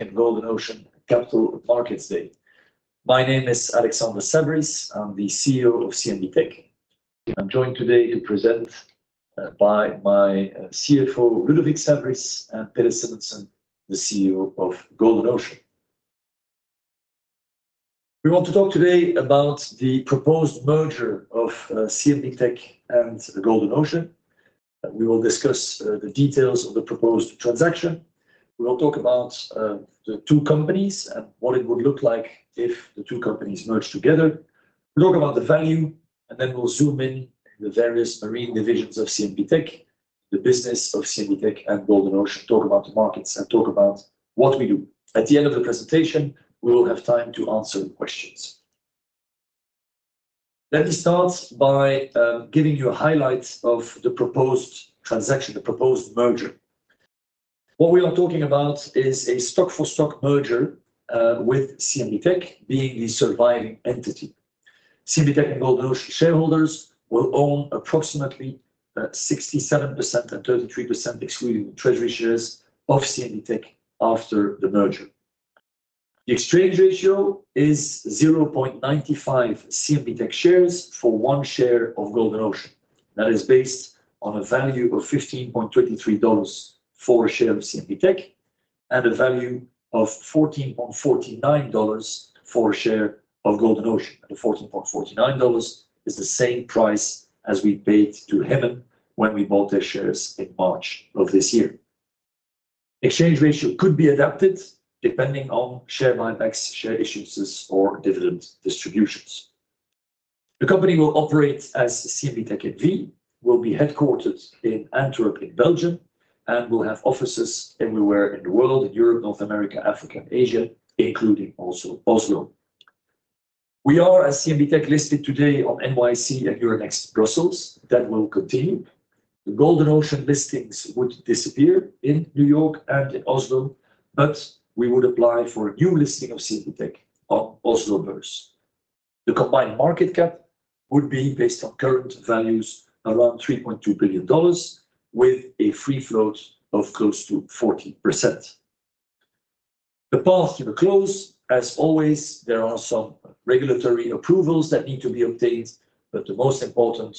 At Golden Ocean, Capital Markets Day. My name is Alexander Saverys. I'm the CEO of CMB.TECH. I'm joined today to present by my CFO, Ludovic Saverys, and Peder Simonsen, the CEO of Golden Ocean. We want to talk today about the proposed merger of CMB.TECH and Golden Ocean. We will discuss the details of the proposed transaction. We will talk about the two companies and what it would look like if the two companies merged together. We'll talk about the value, and then we'll zoom in on the various marine divisions of CMB.TECH, the business of CMB.TECH and Golden Ocean, talk about the markets, and talk about what we do. At the end of the presentation, we will have time to answer questions. Let me start by giving you a highlight of the proposed transaction, the proposed merger. What we are talking about is a stock-for-stock merger with CMB.TECH being the surviving entity. CMB.TECH and Golden Ocean shareholders will own approximately 67% and 33% excluding treasury shares of CMB.TECH after the merger. The exchange ratio is 0.95 CMB.TECH shares for one share of Golden Ocean. That is based on a value of $15.23 for a share of CMB.TECH and a value of $14.49 for a share of Golden Ocean. The $14.49 is the same price as we paid to Hemen when we bought their shares in March of this year. The exchange ratio could be adapted depending on share buybacks, share issuances, or dividend distributions. The company will operate as CMB.TECH NV, will be headquartered in Antwerp in Belgium, and will have offices everywhere in the world: Europe, North America, Africa, and Asia, including also Oslo. We are at CMB.TECH listed today on NYSE and Euronext Brussels. That will continue. The Golden Ocean listings would disappear in New York and in Oslo, but we would apply for a new listing of CMB.TECH on Oslo Børs. The combined market cap would be based on current values around $3.2 billion, with a free float of close to 40%. The path to the close, as always, there are some regulatory approvals that need to be obtained, but the most important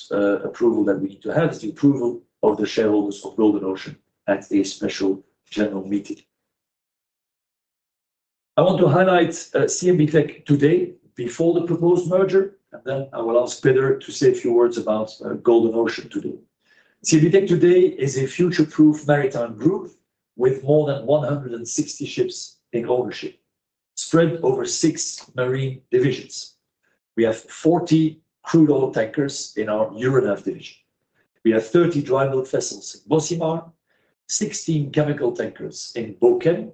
approval that we need to have is the approval of the shareholders of Golden Ocean at a special general meeting. I want to highlight CMB.TECH today before the proposed merger, and then I will ask Peder to say a few words about Golden Ocean today. CMB.TECH today is a future-proof maritime group with more than 160 ships in ownership, spread over six marine divisions. We have 40 crude oil tankers in our Euronav division. We have 30 dry bulk vessels in Bocimar, 16 chemical tankers in Bochem,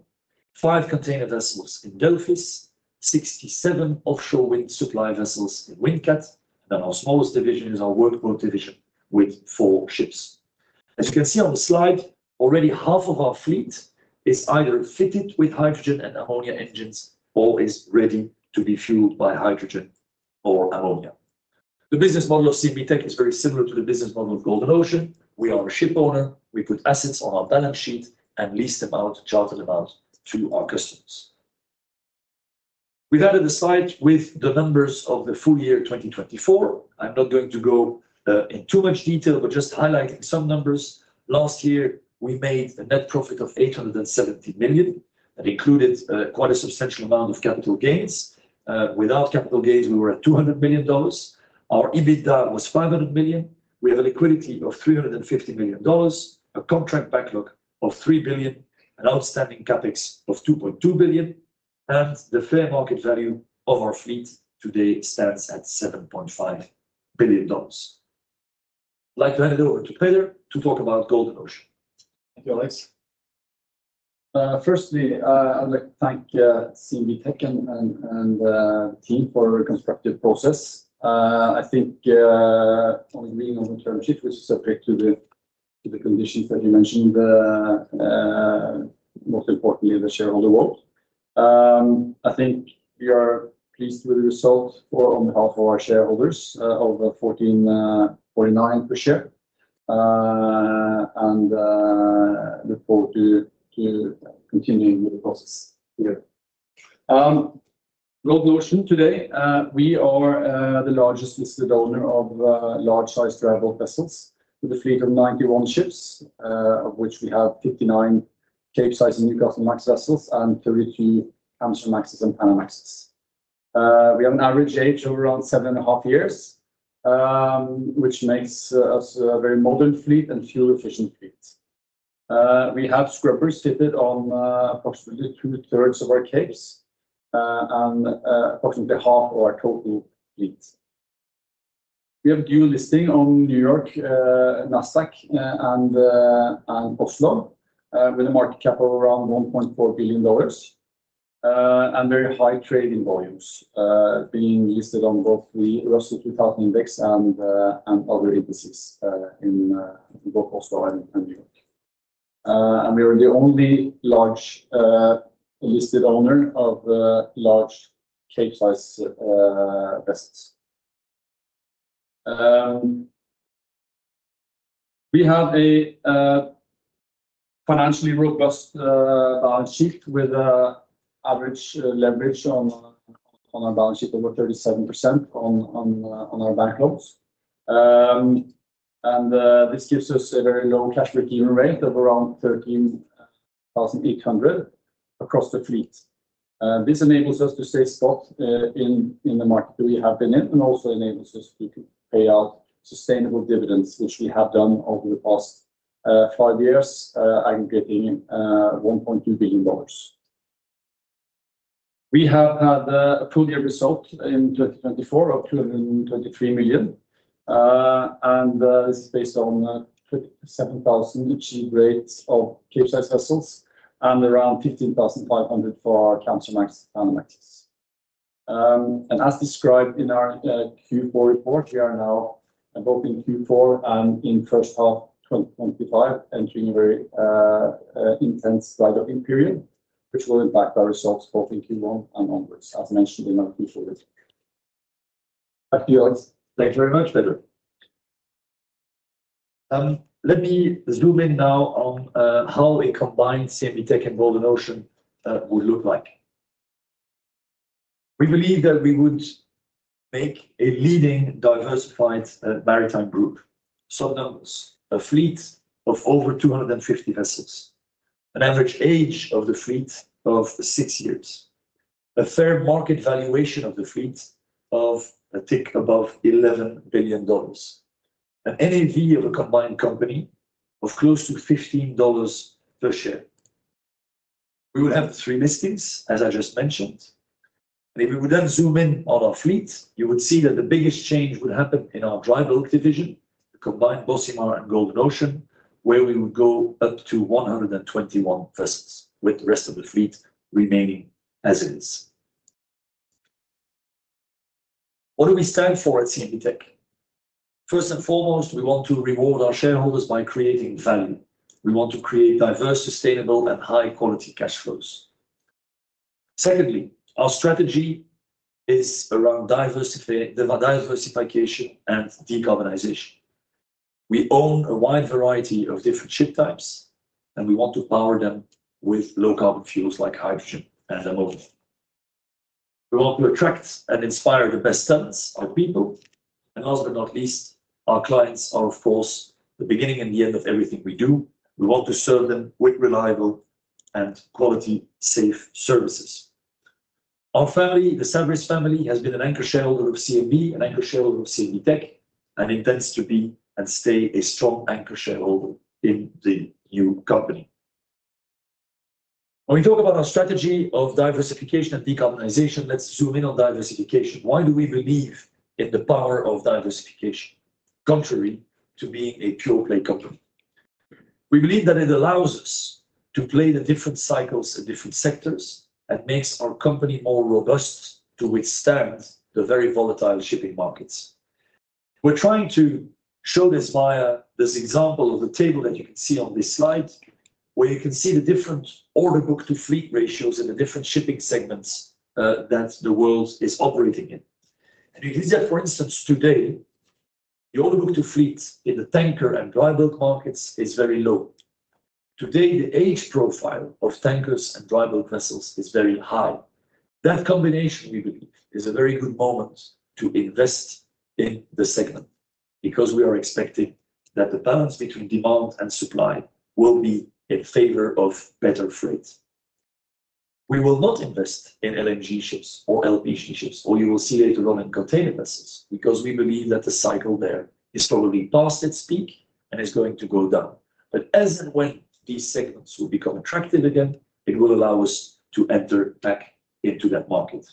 five container vessels in Delphis, 67 offshore wind supply vessels in Windcat, and our smallest division is our workboat division with four ships. As you can see on the slide, already half of our fleet is either fitted with hydrogen and ammonia engines or is ready to be fueled by hydrogen or ammonia. The business model of CMB.TECH is very similar to the business model of Golden Ocean. We are a ship owner. We put assets on our balance sheet and lease them out, charter them out to our customers. We've added a slide with the numbers of the full year 2024. I'm not going to go in too much detail, but just highlighting some numbers. Last year, we made a net profit of $870 million. That included quite a substantial amount of capital gains. Without capital gains, we were at $200 million. Our EBITDA was $500 million. We have a liquidity of $350 million, a contract backlog of $3 billion, an outstanding CapEx of $2.2 billion, and the fair market value of our fleet today stands at $7.5 billion. I'd like to hand it over to Peder to talk about Golden Ocean. Thank you, Alex. Firstly, I'd like to thank CMB.TECH and the team for a constructive process. I think on the green-on-term sheet, which is subject to the conditions that you mentioned, most importantly, the shareholder vote. I think we are pleased with the result for on behalf of our shareholders of $14.49 per share and look forward to continuing with the process together. Golden Ocean today, we are the largest listed owner of large-sized dry bulk vessels with a fleet of 91 ships, of which we have 59 Capesize and Newcastlemax vessels and 32 Panamaxes and Kamsarmaxes. We have an average age of around seven and a half years, which makes us a very modern fleet and fuel-efficient fleet. We have scrubbers fitted on approximately two-thirds of our Capes and approximately half of our total fleet. We have a dual listing on New York, NASDAQ, and Oslo with a market cap of around $1.4 billion and very high trading volumes, being listed on both the Russell 2000 index and other indices in both Oslo and New York. We are the only large listed owner of large cape-sized vessels. We have a financially robust balance sheet with average leverage on our balance sheet of over 37% on our bank loans. This gives us a very low cash-return rate of around $13,800 across the fleet. This enables us to stay spot in the market that we have been in and also enables us to pay out sustainable dividends, which we have done over the past five years, aggregating $1.2 billion. We have had a full year result in 2024 of $223 million. This is based on $7,000 achieved rates of Capesize vessels and around $15,500 for our Kamsarmax and Panamaxes. As described in our Q4 report, we are now both in Q4 and in the first half of 2025, entering a very intense dry-loading period, which will impact our results both in Q1 and onwards, as mentioned in our Q4 report. Thank you, Alex. Thank you very much, Peder. Let me zoom in now on how a combined CMB.TECH and Golden Ocean would look like. We believe that we would make a leading diversified maritime group, a fleet of over 250 vessels, an average age of the fleet of six years, a fair market valuation of the fleet of a tick above $11 billion, an NAV of a combined company of close to $15 per share. We would have three listings, as I just mentioned. If we would then zoom in on our fleet, you would see that the biggest change would happen in our dry bulk division, the combined Bocimar and Golden Ocean, where we would go up to 121 vessels, with the rest of the fleet remaining as is. What do we stand for at CMB.TECH? First and foremost, we want to reward our shareholders by creating value. We want to create diverse, sustainable, and high-quality cash flows. Secondly, our strategy is around diversification and decarbonization. We own a wide variety of different ship types, and we want to power them with low-carbon fuels like hydrogen and ammonia. We want to attract and inspire the best talents, our people. Last but not least, our clients are, of course, the beginning and the end of everything we do. We want to serve them with reliable and quality-safe services. Our family, the Saverys family, has been an anchor shareholder of CMB.TECH and intends to be and stay a strong anchor shareholder in the new company. When we talk about our strategy of diversification and decarbonization, let's zoom in on diversification. Why do we believe in the power of diversification, contrary to being a pure-play company? We believe that it allows us to play in different cycles in different sectors and makes our company more robust to withstand the very volatile shipping markets. We're trying to show this via this example of the table that you can see on this slide, where you can see the different order book to fleet ratios in the different shipping segments that the world is operating in. You can see that, for instance, today, the order book to fleet in the tanker and dry bulk markets is very low. Today, the age profile of tankers and dry bulk vessels is very high. That combination, we believe, is a very good moment to invest in the segment because we are expecting that the balance between demand and supply will be in favor of better freight. We will not invest in LNG ships or LPG ships, or you will see later on in container vessels, because we believe that the cycle there is probably past its peak and is going to go down. As and when these segments will become attractive again, it will allow us to enter back into that market.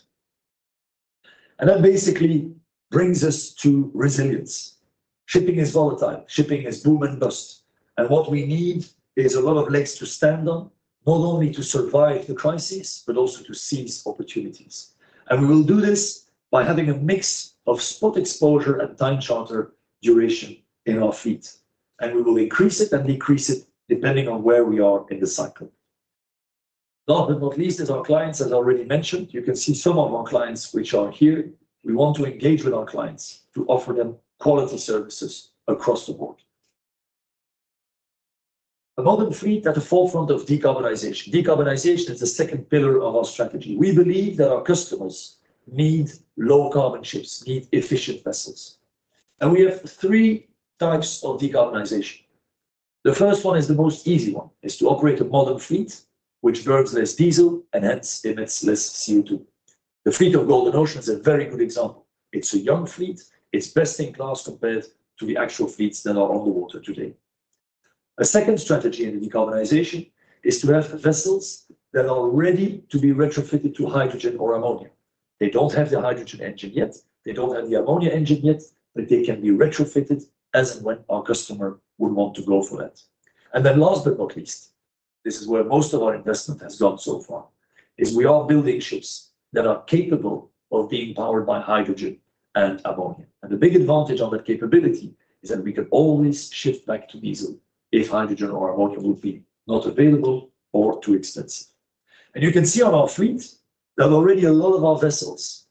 That basically brings us to resilience. Shipping is volatile. Shipping is boom and bust. What we need is a lot of legs to stand on, not only to survive the crisis, but also to seize opportunities. We will do this by having a mix of spot exposure and time charter duration in our fleet. We will increase it and decrease it depending on where we are in the cycle. Last but not least, as our clients have already mentioned, you can see some of our clients which are here. We want to engage with our clients to offer them quality services across the board. A modern fleet at the forefront of decarbonization. Decarbonization is the second pillar of our strategy. We believe that our customers need low-carbon ships, need efficient vessels. We have three types of decarbonization. The first one is the most easy one, is to operate a modern fleet which burns less diesel and hence emits less CO2. The fleet of Golden Ocean is a very good example. It is a young fleet. It is best in class compared to the actual fleets that are on the water today. A second strategy in the decarbonization is to have vessels that are ready to be retrofitted to hydrogen or ammonia. They do not have the hydrogen engine yet. They don't have the ammonia engine yet, but they can be retrofitted as and when our customer would want to go for that. Last but not least, this is where most of our investment has gone so far, is we are building ships that are capable of being powered by hydrogen and ammonia. The big advantage on that capability is that we can always shift back to diesel if hydrogen or ammonia would be not available or too expensive. You can see on our fleet that already a lot of our vessels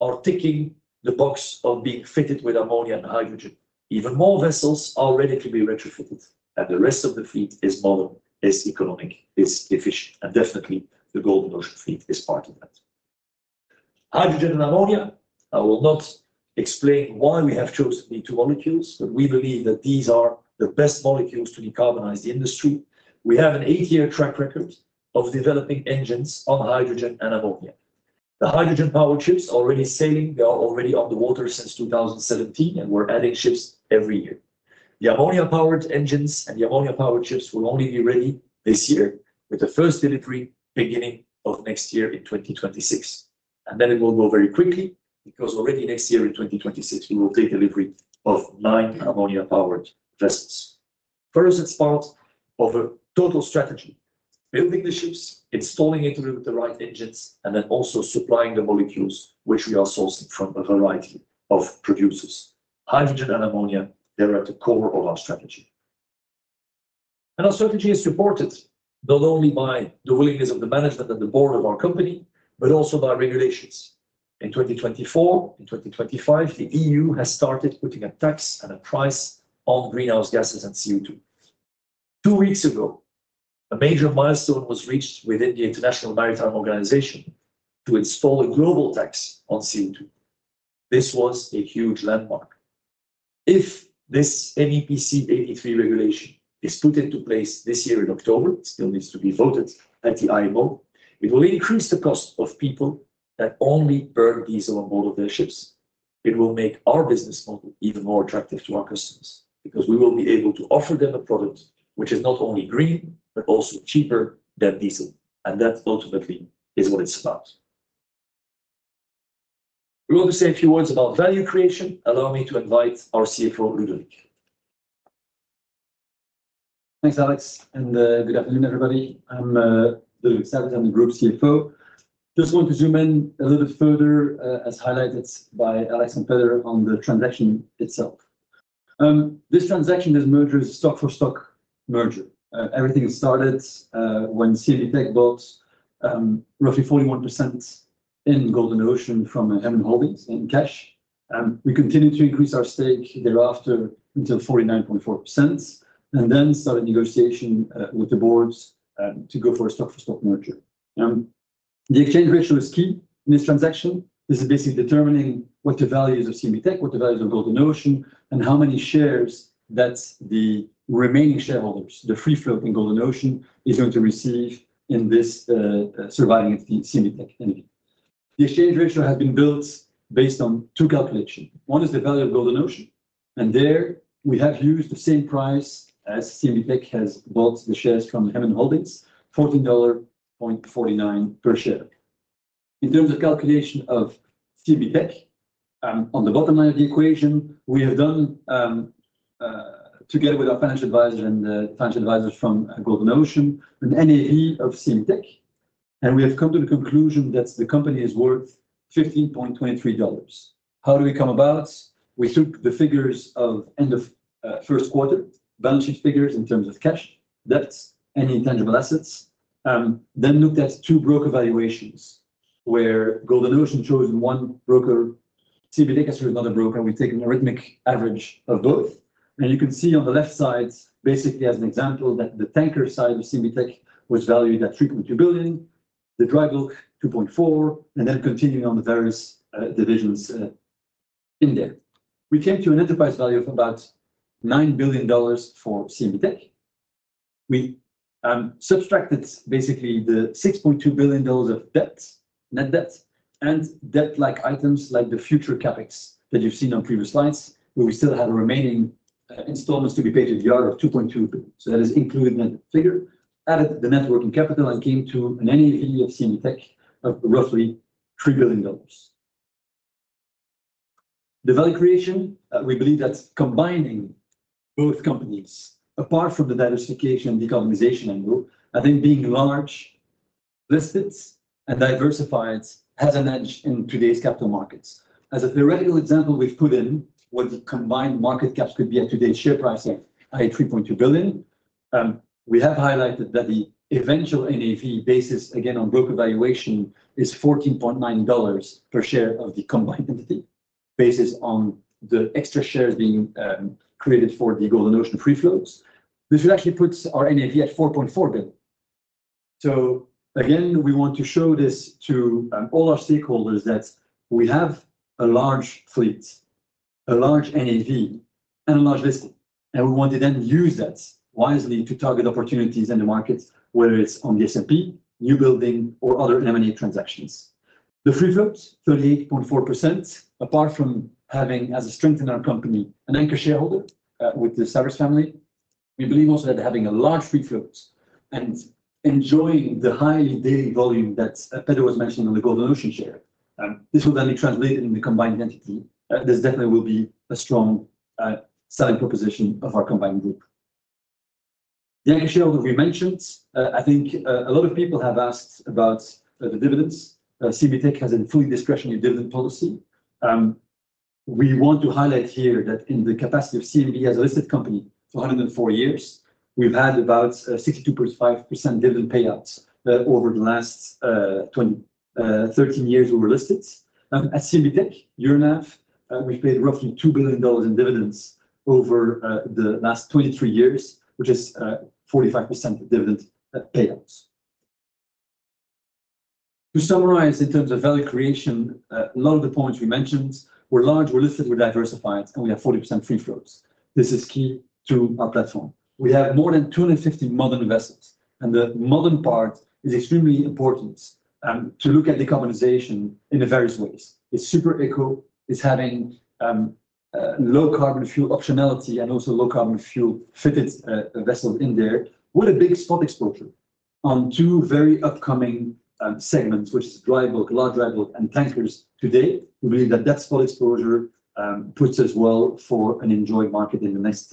are ticking the box of being fitted with ammonia and hydrogen. Even more vessels are ready to be retrofitted. The rest of the fleet is modern, is economic, is efficient. Definitely, the Golden Ocean fleet is part of that. Hydrogen and ammonia, I will not explain why we have chosen the two molecules, but we believe that these are the best molecules to decarbonize the industry. We have an eight-year track record of developing engines on hydrogen and ammonia. The hydrogen-powered ships are already sailing. They are already on the water since 2017, and we're adding ships every year. The ammonia-powered engines and the ammonia-powered ships will only be ready this year, with the first delivery beginning of next year in 2026. It will go very quickly because already next year in 2026, we will take delivery of nine ammonia-powered vessels. First, it's part of a total strategy, building the ships, installing it with the right engines, and then also supplying the molecules which we are sourcing from a variety of producers. Hydrogen and ammonia, they're at the core of our strategy. Our strategy is supported not only by the willingness of the management and the board of our company, but also by regulations. In 2024, in 2025, the EU has started putting a tax and a price on greenhouse gases and CO2. Two weeks ago, a major milestone was reached within the International Maritime Organization to install a global tax on CO2. This was a huge landmark. If this MEPC 83 regulation is put into place this year in October, it still needs to be voted at the IMO, it will increase the cost of people that only burn diesel on board of their ships. It will make our business model even more attractive to our customers because we will be able to offer them a product which is not only green but also cheaper than diesel. That ultimately is what it's about. We want to say a few words about value creation. Allow me to invite our CFO, Ludovic. Thanks, Alex. Good afternoon, everybody. I'm Ludovic Saverys, I'm the Group CFO. I just want to zoom in a little bit further, as highlighted by Alex and Peder, on the transaction itself. This transaction is a merger, is a stock-for-stock merger. Everything started when CMB.TECH bought roughly 41% in Golden Ocean from Hemen Holding in cash. We continued to increase our stake thereafter until 49.4%, and then started negotiation with the board to go for a stock-for-stock merger. The exchange ratio is key in this transaction. This is basically determining what the values of CMB.TECH, what the values of Golden Ocean, and how many shares that the remaining shareholders, the free float in Golden Ocean, is going to receive in this surviving CMB.TECH entity. The exchange ratio has been built based on two calculations. One is the value of Golden Ocean, and there we have used the same price as CMB.TECH has bought the shares from Hemen Holding, $14.49 per share. In terms of calculation of CMB.TECH, on the bottom line of the equation, we have done, together with our financial advisor and the financial advisors from Golden Ocean, an NAV of CMB.TECH. And we have come to the conclusion that the company is worth $15.23. How do we come about? We took the figures of end of first quarter, balance sheet figures in terms of cash, debts, any tangible assets, then looked at two broker valuations where Golden Ocean chose one broker, CMB.TECH has chosen another broker. We take an arithmetic average of both. You can see on the left side, basically as an example, that the tanker side of CMB.TECH was valued at $3.2 billion, the dry bulk $2.4 billion, and then continuing on the various divisions in there. We came to an enterprise value of about $9 billion for CMB.TECH. We subtracted basically the $6.2 billion of debt, net debt, and debt-like items like the future CapEx that you've seen on previous slides, where we still had remaining installments to be paid of $2.2 billion. That is included in that figure, added the net working capital, and came to an NAV of CMB.TECH of roughly $3 billion. The value creation, we believe that's combining both companies apart from the diversification and decarbonization angle. I think being large listed and diversified has an edge in today's capital markets. As a theoretical example, we've put in what the combined market caps could be at today's share price at $3.2 billion. We have highlighted that the eventual NAV basis, again on broker valuation, is $14.9 per share of the combined entity, basis on the extra shares being created for the Golden Ocean free floats. This would actually put our NAV at $4.4 billion. We want to show this to all our stakeholders that we have a large fleet, a large NAV, and a large listing. We want to then use that wisely to target opportunities in the markets, whether it's on the S&P, new building, or other M&A transactions. The free float, 38.4%, apart from having as a strength in our company an anchor shareholder with the Saverys family, we believe also that having a large free float and enjoying the high daily volume that Peder was mentioning on the Golden Ocean share, this will then be translated in the combined entity. This definitely will be a strong selling proposition of our combined group. The anchor shareholder we mentioned, I think a lot of people have asked about the dividends. CMB.TECH has a fully discretionary dividend policy. We want to highlight here that in the capacity of CMB as a listed company for 104 years, we've had about 62.5% dividend payouts over the last 13 years we were listed. At CMB.TECH, year and a half, we've paid roughly $2 billion in dividends over the last 23 years, which is 45% of dividend payouts. To summarize in terms of value creation, a lot of the points we mentioned, we're large, we're listed, we're diversified, and we have 40% free float. This is key to our platform. We have more than 250 modern vessels, and the modern part is extremely important to look at decarbonization in the various ways. It's super eco, it's having low carbon fuel optionality and also low carbon fuel-fitted vessels in there with a big spot exposure on two very upcoming segments, which is dry bulk, large dry bulk and tankers today. We believe that that spot exposure puts us well for an enjoyed market in the next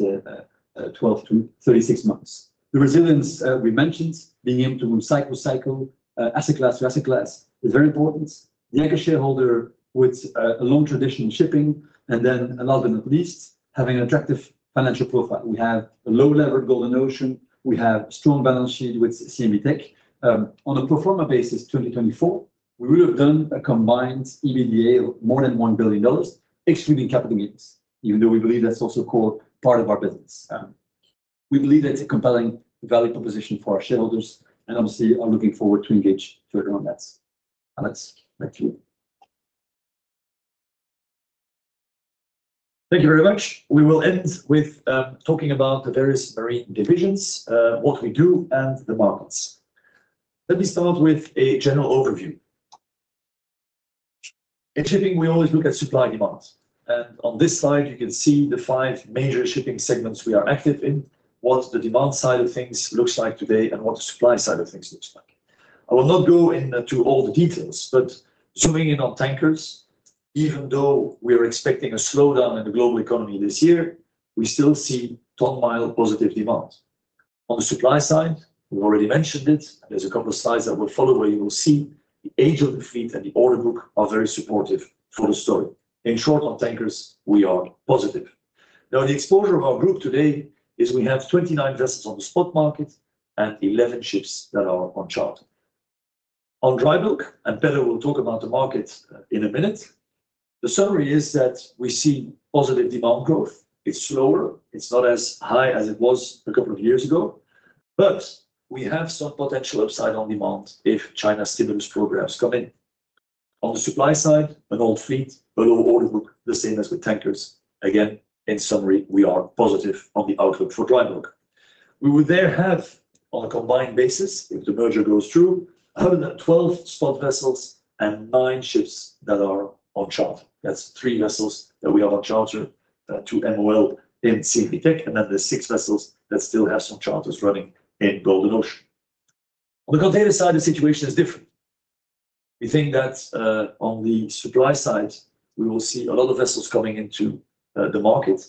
12-36 months. The resilience we mentioned, being able to recycle cycle asset class to asset class, is very important. The anchor shareholder with a long tradition in shipping, and then last but not least, having an attractive financial profile. We have a low-level Golden Ocean. We have a strong balance sheet with CMB.TECH. On a pro forma basis, 2024, we would have done a combined EBITDA of more than $1 billion, excluding capital gains, even though we believe that's also a core part of our business. We believe that's a compelling value proposition for our shareholders, and obviously are looking forward to engage further on that. Alex, back to you. Thank you very much. We will end with talking about the various marine divisions, what we do, and the markets. Let me start with a general overview. In shipping, we always look at supply demand. On this slide, you can see the five major shipping segments we are active in, what the demand side of things looks like today, and what the supply side of things looks like. I will not go into all the details, but zooming in on tankers, even though we are expecting a slowdown in the global economy this year, we still see ton-mile positive demand. On the supply side, we've already mentioned it. There are a couple of slides that will follow where you will see the age of the fleet and the order book are very supportive for the story. In short, on tankers, we are positive. Now, the exposure of our group today is we have 29 vessels on the spot market and 11 ships that are on charter. On dry bulk, and Peder will talk about the market in a minute, the summary is that we see positive demand growth. It's slower. It's not as high as it was a couple of years ago, but we have some potential upside on demand if China's stimulus programs come in. On the supply side, an old fleet, below order book, the same as with tankers. Again, in summary, we are positive on the outlook for dry bulk. We would there have, on a combined basis, if the merger goes through, 112 spot vessels and nine ships that are on charter. That's three vessels that we have on charter to MOL in CMB.TECH, and then the six vessels that still have some charters running in Golden Ocean. On the container side, the situation is different. We think that on the supply side, we will see a lot of vessels coming into the market.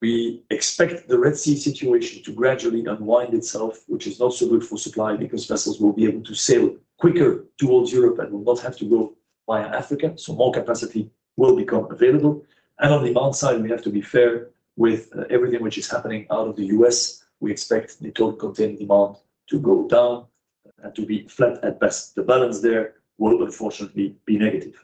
We expect the Red Sea situation to gradually unwind itself, which is not so good for supply because vessels will be able to sail quicker towards Europe and will not have to go via Africa, so more capacity will become available. On the demand side, we have to be fair with everything which is happening out of the U.S. We expect the total container demand to go down and to be flat at best. The balance there will unfortunately be negative.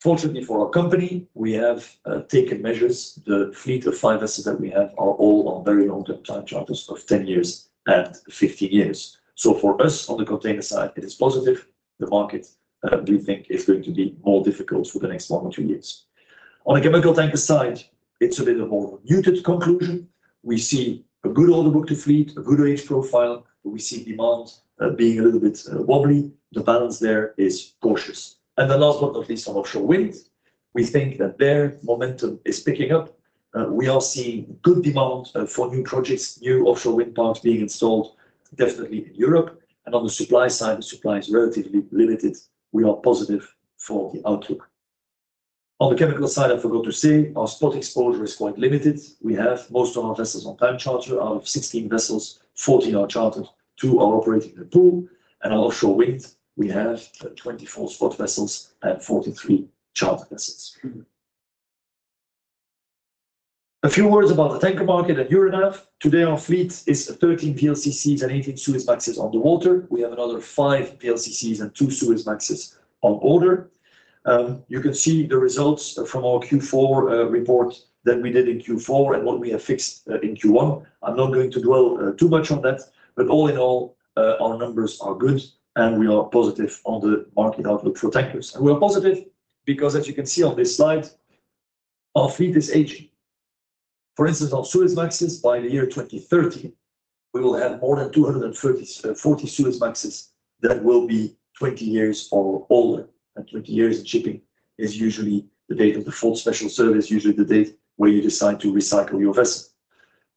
Fortunately for our company, we have taken measures. The fleet of five vessels that we have are all on very long-term time charters of 10 years and 15 years. For us on the container side, it is positive. The market, we think, is going to be more difficult for the next one or two years. On a chemical tankers side, it is a bit of a more muted conclusion. We see a good order book to fleet, a good age profile, but we see demand being a little bit wobbly. The balance there is cautious. Last but not least, on offshore wind, we think that their momentum is picking up. We are seeing good demand for new projects, new offshore wind parks being installed, definitely in Europe. On the supply side, the supply is relatively limited. We are positive for the outlook. On the chemical side, I forgot to say, our spot exposure is quite limited. We have most of our vessels on time charter. Out of 16 vessels, 14 are chartered, two are operating in the pool, and on offshore wind, we have 24 spot vessels and 43 chartered vessels. A few words about the tanker market and Euronav. Today, our fleet is 13 VLCCs and 18 Suezmaxes on the water. We have another five VLCCs and two Suezmaxes on order. You can see the results from our Q4 report that we did in Q4 and what we have fixed in Q1. I am not going to dwell too much on that, but all in all, our numbers are good and we are positive on the market outlook for tankers. We are positive because, as you can see on this slide, our fleet is aging. For instance, on Suezmaxes, by the year 2030, we will have more than 240 Suezmaxes that will be 20 years or older. Twenty years in shipping is usually the date of the full special service, usually the date where you decide to recycle your vessel.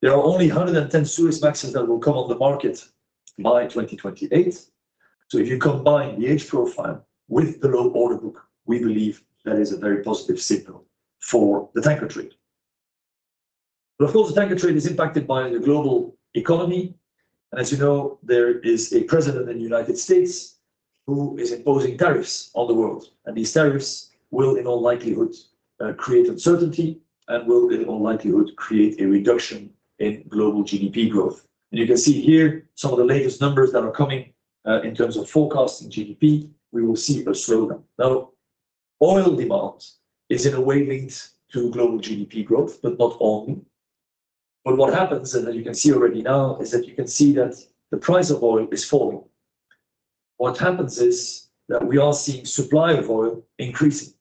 There are only 110 Suezmaxes that will come on the market by 2028. If you combine the age profile with the low order book, we believe that is a very positive signal for the tanker trade. Of course, the tanker trade is impacted by the global economy. As you know, there is a president in the United States who is imposing tariffs on the world. These tariffs will, in all likelihood, create uncertainty and will, in all likelihood, create a reduction in global GDP growth. You can see here some of the latest numbers that are coming in terms of forecasting GDP, we will see a slowdown. Now, oil demand is in a way linked to global GDP growth, but not only. What happens, and you can see already now, is that you can see that the price of oil is falling. What happens is that we are seeing supply of oil increasing.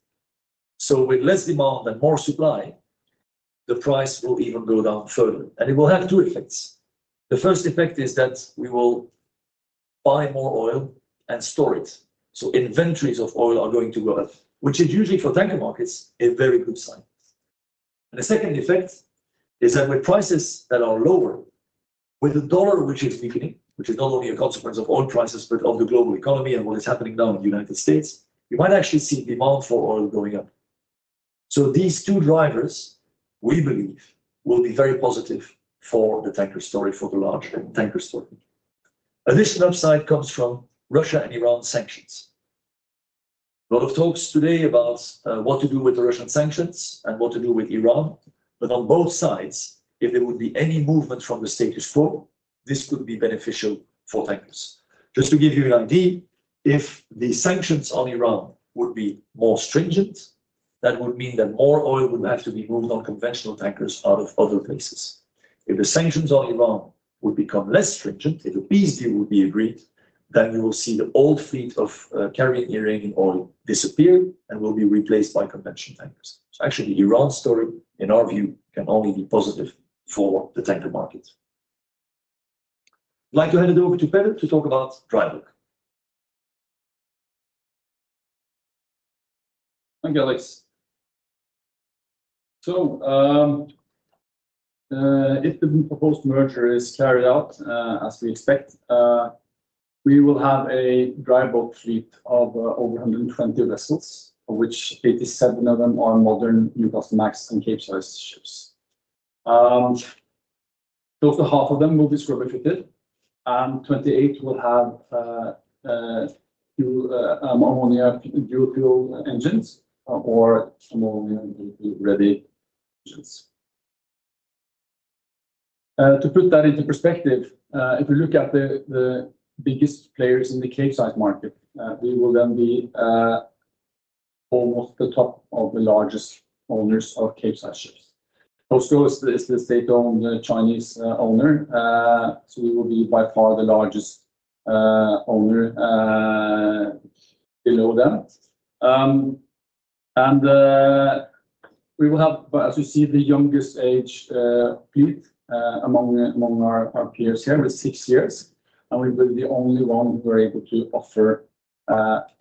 With less demand and more supply, the price will even go down further. It will have two effects. The first effect is that we will buy more oil and store it. Inventories of oil are going to grow, which is usually for tanker markets a very good sign. The second effect is that with prices that are lower, with the dollar which is weakening, which is not only a consequence of oil prices, but of the global economy and what is happening now in the United States, you might actually see demand for oil going up. These two drivers, we believe, will be very positive for the tanker story, for the large tanker story. Additional upside comes from Russia and Iran sanctions. A lot of talks today about what to do with the Russian sanctions and what to do with Iran. On both sides, if there would be any movement from the status quo, this could be beneficial for tankers. Just to give you an idea, if the sanctions on Iran would be more stringent, that would mean that more oil would have to be moved on conventional tankers out of other places. If the sanctions on Iran would become less stringent, if a peace deal would be agreed, then we will see the old fleet of carrying Iranian oil disappear and will be replaced by conventional tankers. Actually, the Iran story, in our view, can only be positive for the tanker market. I'd like to hand it over to Peder to talk about dry bulk. Thank you, Alex. If the proposed merger is carried out, as we expect, we will have a dry bulk fleet of over 120 vessels, of which 87 of them are modern Newcastlemax and Capesize ships. Close to half of them will be scrubber fitted, and 28 will have ammonia fuel engines or ammonia ready engines. To put that into perspective, if we look at the biggest players in the Capesize market, we will then be almost the top of the largest owners of Capesize ships. COSCO is the state-owned Chinese owner, so we will be by far the largest owner below them. We will have, as you see, the youngest age fleet among our peers here with six years. We will be the only one who are able to offer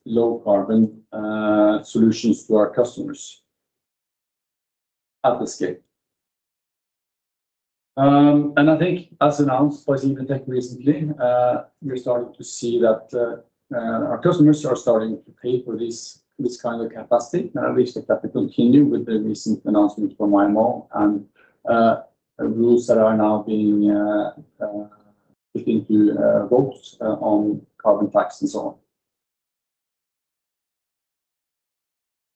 low carbon solutions to our customers at the scale. I think, as announced by CMB.TECH recently, we're starting to see that our customers are starting to pay for this kind of capacity. I wish that that would continue with the recent announcement from IMO and rules that are now being put into vote on carbon tax and so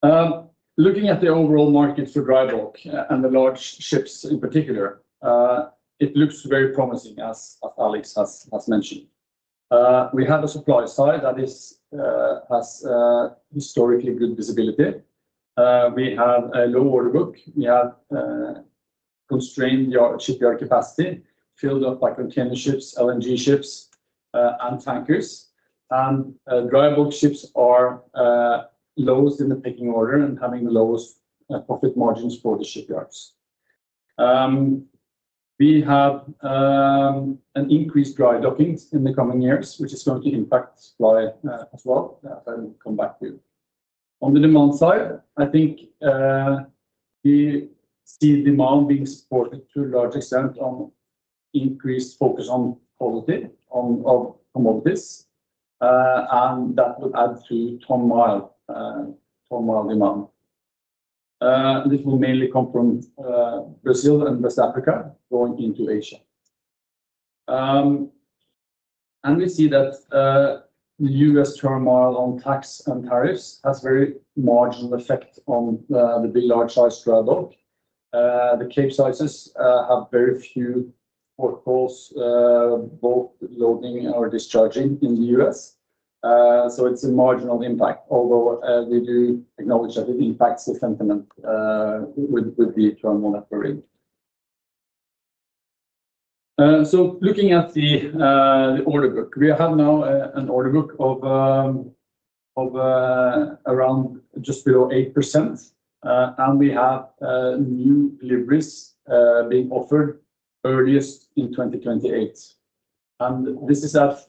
on. Looking at the overall market for dry bulk and the large ships in particular, it looks very promising, as Alex has mentioned. We have a supply side that has historically good visibility. We have a low order book. We have constrained shipyard capacity filled up by container ships, LNG ships, and tankers. Dry bulk ships are lowest in the picking order and have the lowest profit margins for the shipyards. We have an increased dry-docking in the coming years, which is going to impact supply as well, as I will come back to. On the demand side, I think we see demand being supported to a large extent on increased focus on quality, on commodities, and that will add to ton-mile demand. This will mainly come from Brazil and West Africa going into Asia. We see that the U.S. turmoil on tax and tariffs has a very marginal effect on the big large size dry bulk. The Capesize vessels have very few port calls both loading or discharging in the U.S. It is a marginal impact, although we do acknowledge that it impacts the sentiment with the turmoil that we're in. Looking at the order book, we have now an order book of around just below 8%. We have new deliveries being offered earliest in 2028. This is at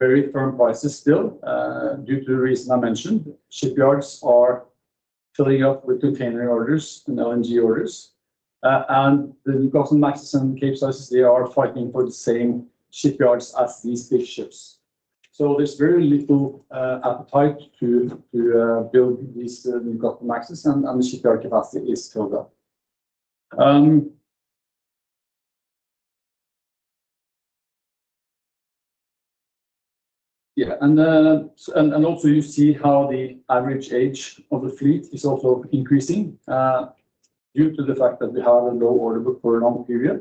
very firm prices still due to the reason I mentioned. Shipyards are filling up with container orders and LNG orders. The Newcastlemaxes and Capesize vessels, they are fighting for the same shipyards as these big ships. There's very little appetite to build these Newcastlemaxes, and the shipyard capacity is filled up. Yeah. You see how the average age of the fleet is also increasing due to the fact that we have a low order book for a long period.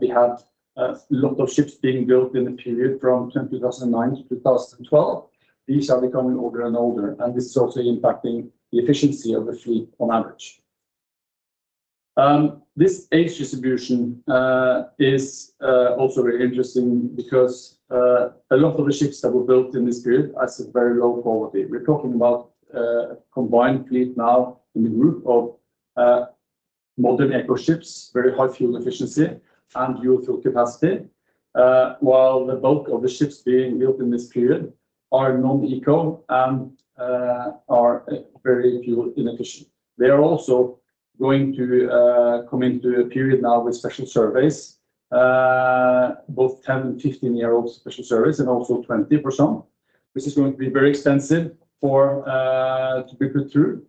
We had a lot of ships being built in the period from 2009 to 2012, these are becoming older and older. This is also impacting the efficiency of the fleet on average. This age distribution is also very interesting because a lot of the ships that were built in this period are very low quality. We're talking about a combined fleet now in the group of modern eco ships, very high fuel efficiency and fuel capacity, while the bulk of the ships being built in this period are non-eco and are very fuel inefficient. They are also going to come into a period now with special surveys, both 10- and 15-year-old special surveys and also 20 for some, which is going to be very expensive to be put through.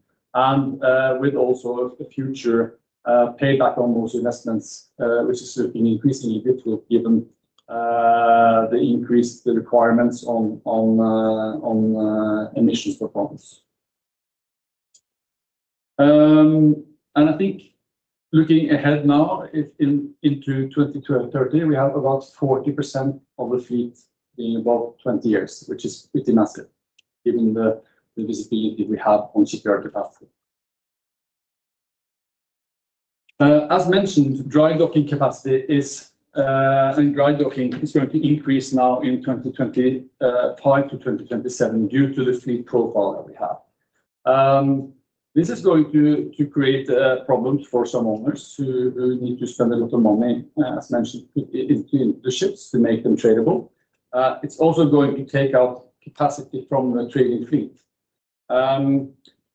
With also a future payback on those investments, which is looking increasingly difficult given the increased requirements on emissions performance. I think looking ahead now into 2030, we have about 40% of the fleet being above 20 years, which is pretty massive given the visibility we have on shipyard capacity. As mentioned, dry-docking capacity is and dry-docking is going to increase now in 2025-2027 due to the fleet profile that we have. This is going to create problems for some owners who need to spend a lot of money, as mentioned, into the ships to make them tradable. It's also going to take out capacity from the trading fleet.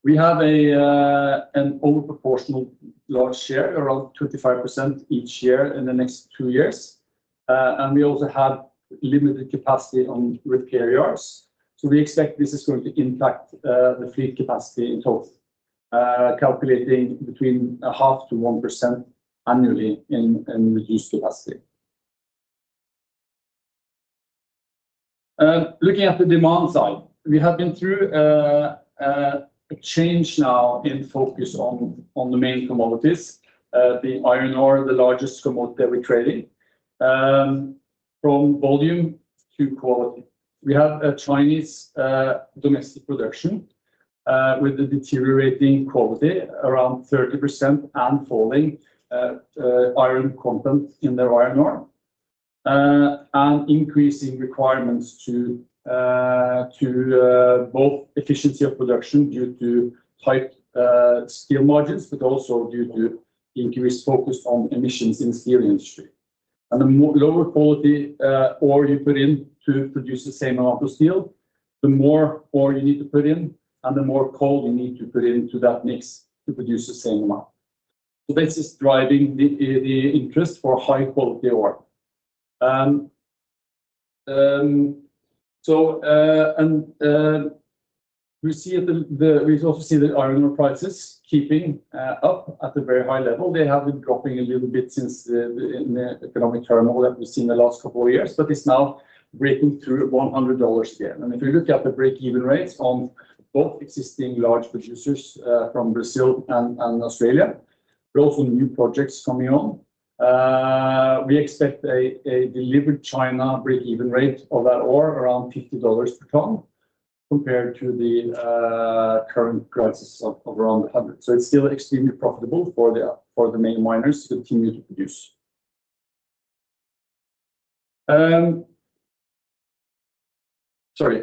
We have an overproportional large share, around 25% each year in the next two years. We also have limited capacity on repair yards. We expect this is going to impact the fleet capacity in total, calculating between half to 1% annually in reduced capacity. Looking at the demand side, we have been through a change now in focus on the main commodities, the iron ore, the largest commodity we're trading, from volume to quality. We have Chinese domestic production with the deteriorating quality, around 30% and falling iron content in their iron ore, and increasing requirements to both efficiency of production due to tight steel margins, but also due to increased focus on emissions in the steel industry. The lower quality ore you put in to produce the same amount of steel, the more ore you need to put in, and the more coal you need to put into that mix to produce the same amount. This is driving the interest for high-quality ore. We see that we also see the iron ore prices keeping up at a very high level. They have been dropping a little bit since the economic turmoil that we've seen the last couple of years, but it's now breaking through $100 again. If we look at the break-even rates on both existing large producers from Brazil and Australia, but also new projects coming on, we expect a delivered China break-even rate of that ore around $50 per ton, compared to the current prices of around $100. It's still extremely profitable for the main miners to continue to produce. Sorry.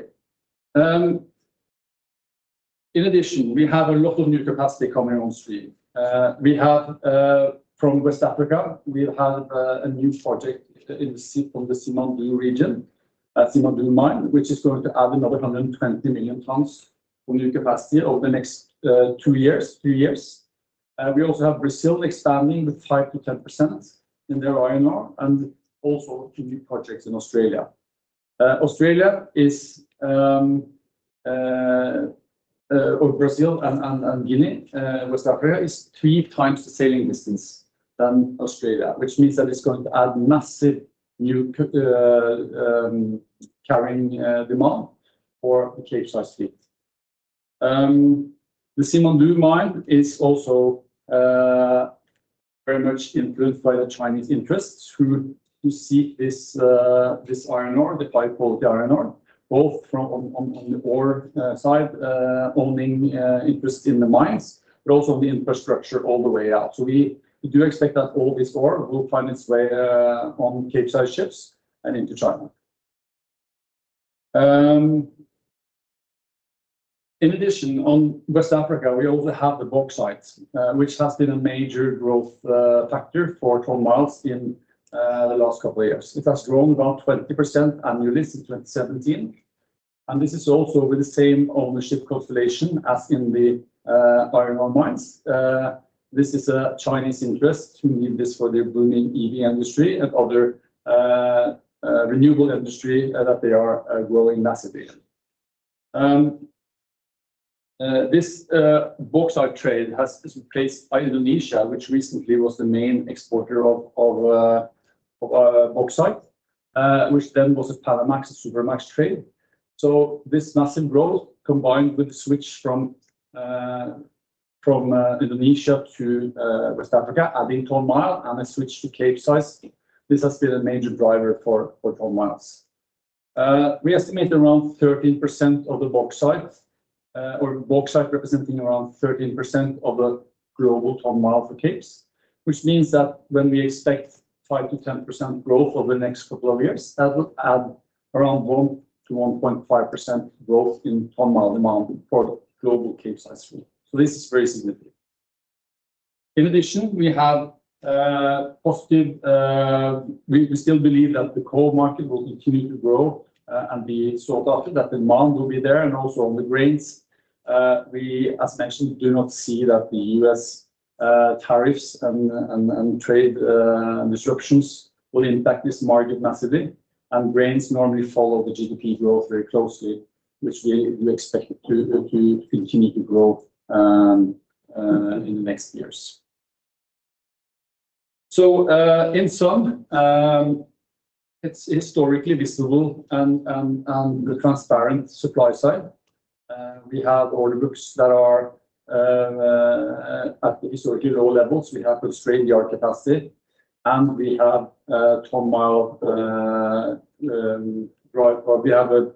In addition, we have a lot of new capacity coming on stream. We have, from West Africa, a new project in the Simandou region, Simandou mine, which is going to add another 120 million tons of new capacity over the next two years. We also have Brazil expanding with 5-10% in their iron ore and also two new projects in Australia. Australia is, or Brazil and Guinea, West Africa is three times the sailing distance than Australia, which means that it's going to add massive new carrying demand for the Capesize fleet. The Simandou mine is also very much influenced by the Chinese interests who seek this iron ore, the high-quality iron ore, both from the ore side, owning interests in the mines, but also the infrastructure all the way out. We do expect that all this ore will find its way on Capesize ships and into China. In addition, on West Africa, we also have the bauxite, which has been a major growth factor for ton miles in the last couple of years. It has grown about 20% annually since 2017. This is also with the same ownership constellation as in the iron ore mines. This is a Chinese interest who need this for their booming EV industry and other renewable industry that they are growing massively. This bauxite trade has been replaced by Indonesia, which recently was the main exporter of bauxite, which then was a Panamax and Supramax trade. This massive growth, combined with the switch from Indonesia to West Africa, adding ton miles and a switch to Capesize, has been a major driver for ton miles. We estimate around 13% of the bauxite, or bauxite representing around 13% of the global ton miles for Capes, which means that when we expect 5-10% growth over the next couple of years, that will add around 1-1.5% growth in ton miles demand for global Capesize fleet. This is very significant. In addition, we have positive, we still believe that the coal market will continue to grow and be sought after, that demand will be there. Also on the grains, we, as mentioned, do not see that the US tariffs and trade disruptions will impact this market massively. Grains normally follow the GDP growth very closely, which we expect to continue to grow in the next years. In sum, it is historically visible and the transparent supply side. We have order books that are at the historically low levels. We have good straight yard capacity. We have ton mile, we have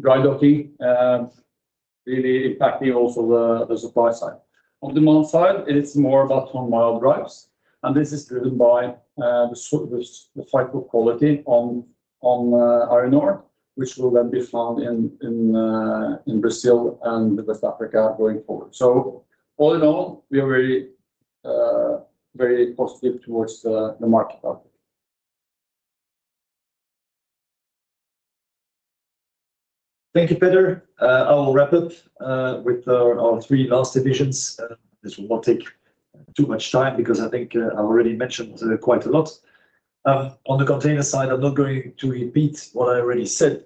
dry-docking really impacting also the supply side. On demand side, it's more about ton mile drives. This is driven by the higher quality on iron ore, which will then be found in Brazil and West Africa going forward. All in all, we are very positive towards the market. Thank you, Peder. I will wrap up with our three last divisions. This will not take too much time because I think I've already mentioned quite a lot. On the container side, I'm not going to repeat what I already said.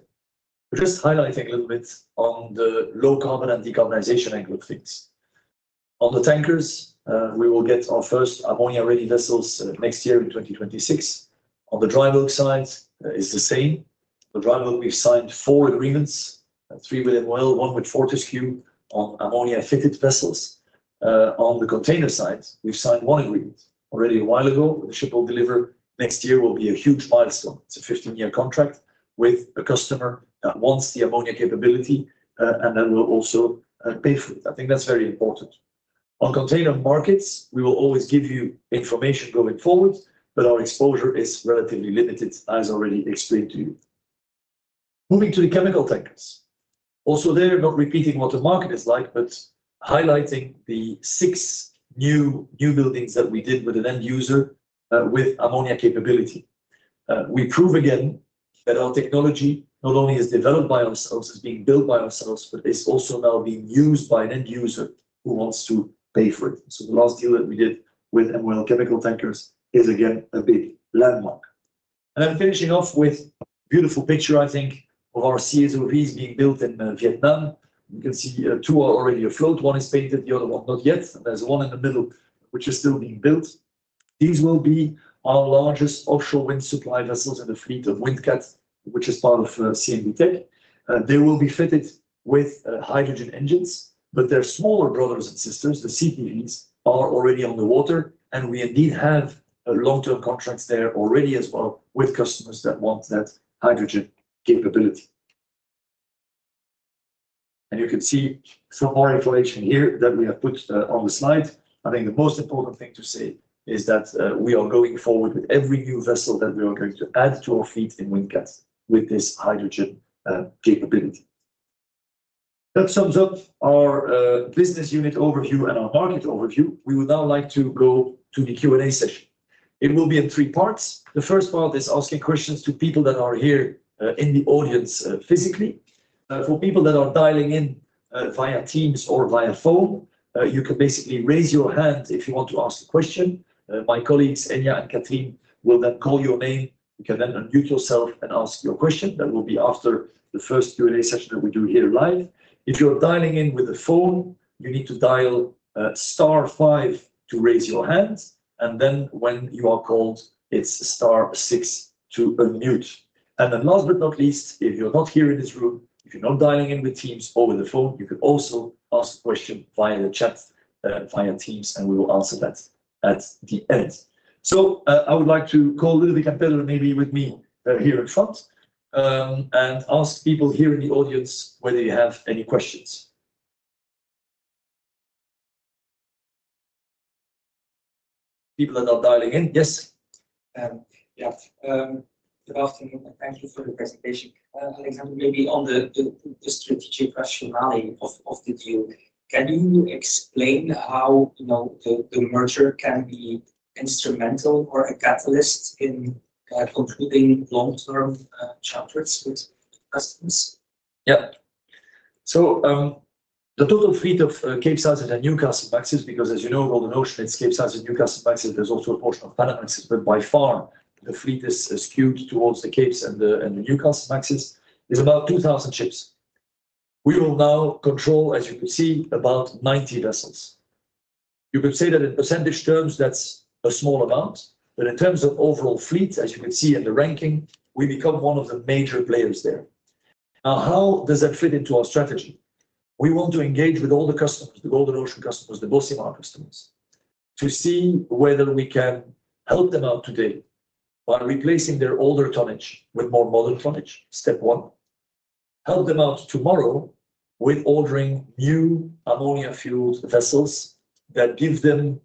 Just highlighting a little bit on the low carbon and decarbonization angle of things. On the tankers, we will get our first ammonia-ready vessels next year in 2026. On the dry bulk side, it's the same. The dry bulk, we've signed four agreements, three with MOL, one with Fortescue on ammonia-fitted vessels. On the container side, we've signed one agreement already a while ago. The ship will deliver next year. It will be a huge milestone. It's a 15-year contract with a customer that wants the ammonia capability, and then will also pay for it. I think that's very important. On container markets, we will always give you information going forward, but our exposure is relatively limited, as I already explained to you. Moving to the chemical tankers. Also there, not repeating what the market is like, but highlighting the six new buildings that we did with an end user with ammonia capability. We prove again that our technology not only is developed by ourselves, is being built by ourselves, but is also now being used by an end user who wants to pay for it. The last deal that we did with MOL chemical tankers is again a big landmark. I'm finishing off with a beautiful picture, I think, of our CSOVs being built in Vietnam. You can see two are already afloat. One is painted, the other one not yet. There is one in the middle, which is still being built. These will be our largest offshore wind supply vessels in the fleet of Windcat, which is part of CMB.TECH. They will be fitted with hydrogen engines, but their smaller brothers and sisters, the CPVs, are already on the water. We indeed have long-term contracts there already as well with customers that want that hydrogen capability. You can see some more information here that we have put on the slide. I think the most important thing to say is that we are going forward with every new vessel that we are going to add to our fleet in Windcat with this hydrogen capability. That sums up our business unit overview and our market overview. We would now like to go to the Q&A session. It will be in three parts. The first part is asking questions to people that are here in the audience physically. For people that are dialing in via Teams or via phone, you can basically raise your hand if you want to ask a question. My colleagues, Enya and Kathleen, will then call your name. You can then unmute yourself and ask your question. That will be after the first Q&A session that we do here live. If you're dialing in with a phone, you need to dial *5 to raise your hand. When you are called, it's *6 to unmute. Last but not least, if you're not here in this room, if you're not dialing in with Teams or with a phone, you can also ask a question via the chat via Teams, and we will answer that at the end. I would like to call Ludovic and Peder maybe with me here in front and ask people here in the audience whether you have any questions. People that are dialing in, yes. Good afternoon. Thank you for the presentation. Alexander, maybe on the strategic rationale of the deal, can you explain how the merger can be instrumental or a catalyst in concluding long-term chapters with customers? Yeah. The total fleet of Capesize and the Newcastlemaxes, because as you know, Golden Ocean, it's Capesize and Newcastlemaxes. There's also a portion of Panamax is, but by far, the fleet is skewed towards the Capes and the Newcastlemaxes. It's about 2,000 ships. We will now control, as you could see, about 90 vessels. You could say that in percentage terms, that's a small amount, but in terms of overall fleet, as you could see in the ranking, we become one of the major players there. Now, how does that fit into our strategy? We want to engage with all the customers, the Golden Ocean customers, the Bocimar customers, to see whether we can help them out today by replacing their older tonnage with more modern tonnage, step one. Help them out tomorrow with ordering new ammonia-fueled vessels that give them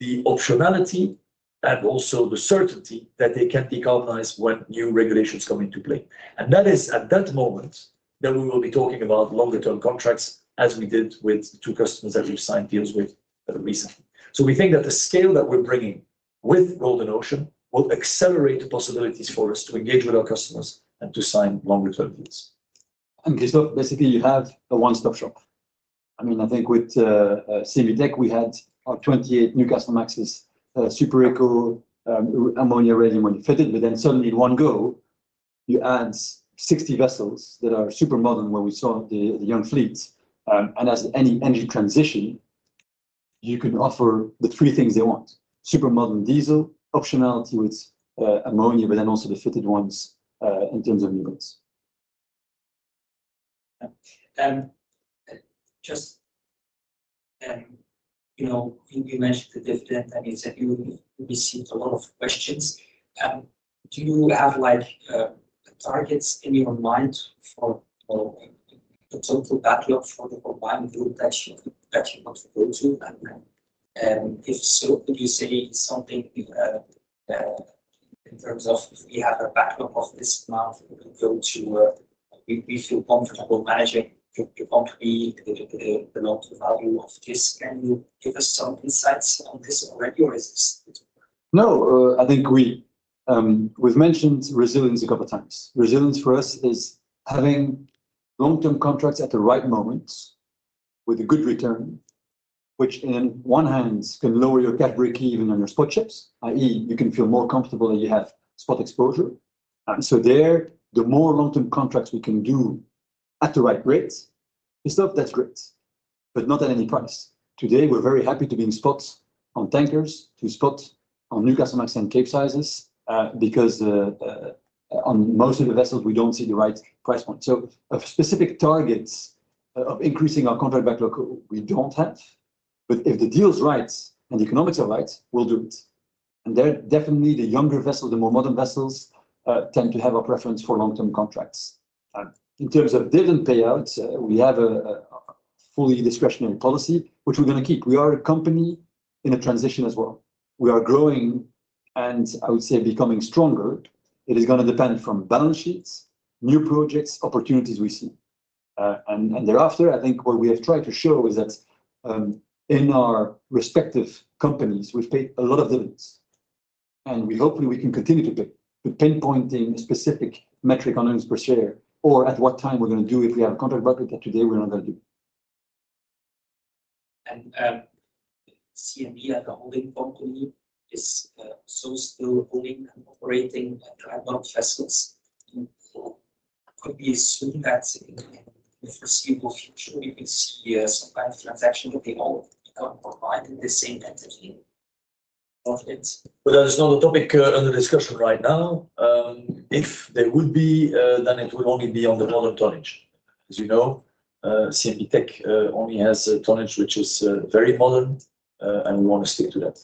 the optionality and also the certainty that they can decarbonize when new regulations come into play. That is at that moment that we will be talking about longer-term contracts as we did with the two customers that we've signed deals with recently. We think that the scale that we're bringing with Golden Ocean will accelerate the possibilities for us to engage with our customers and to sign longer-term deals. Basically, you have a one-stop shop. I mean, I think with CMB.TECH, we had our 28 Newcastlemaxes, Super Eco, ammonia-ready when you fitted, but then suddenly in one go, you add 60 vessels that are super modern where we saw the young fleets. As any energy transition, you can offer the three things they want: super modern diesel, optionality with ammonia, but then also the fitted ones in terms of new ones. Just you mentioned the dividend. I mean, you received a lot of questions. Do you have targets in your mind for the total backlog for the combined group that you want to go to? If so, could you say something in terms of, if we have a backlog of this amount, we feel comfortable managing to compete the amount of value of this? Can you give us some insights on this already, or is this? No, I think we've mentioned resilience a couple of times. Resilience for us is having long-term contracts at the right moment with a good return, which in one hand can lower your CapEx break-even on your spot ships, i.e., you can feel more comfortable that you have spot exposure. There, the more long-term contracts we can do at the right rates, it's stuff that's great, but not at any price. Today, we're very happy to be in spots on tankers, to spot on Newcastlemax and Capesize vessels because on most of the vessels, we don't see the right price point. Specific targets of increasing our contract backlog, we don't have. If the deal's right and the economics are right, we'll do it. Definitely, the younger vessels, the more modern vessels, tend to have a preference for long-term contracts. In terms of dividend payouts, we have a fully discretionary policy, which we're going to keep. We are a company in a transition as well. We are growing and I would say becoming stronger. It is going to depend from balance sheets, new projects, opportunities we see. Thereafter, I think what we have tried to show is that in our respective companies, we've paid a lot of dividends. Hopefully, we can continue to pay. Pinpointing a specific metric on earnings per share or at what time we're going to do it, we have a contract backlog that today we're not going to do. CMB, as a holding company, is also still holding and operating dry bulk vessels. Could we assume that in the foreseeable future, we could see some kind of transaction that they all become provided the same entity of it? That is not a topic under discussion right now. If there would be, then it would only be on the modern tonnage. As you know, CMB.TECH only has tonnage, which is very modern, and we want to stick to that.